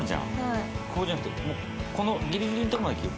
ここじゃなくてこのぎりぎりのとこまで切る。